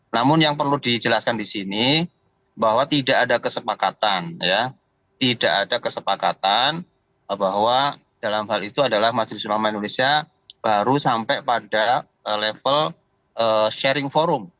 namun yang perlu dijelaskan di sini bahwa tidak ada kesepakatan tidak ada kesepakatan bahwa dalam hal itu adalah majelis ulama indonesia baru sampai pada level sharing forum